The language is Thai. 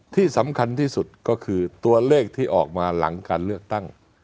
ที่สำคัญที่สุดก็คือตัวเลขที่ออกมาหลังการเลือกตั้ง